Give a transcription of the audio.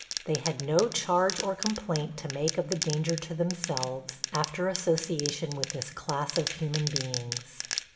They had no charge or complaint to make of the danger to themselves after association with this class of human beings.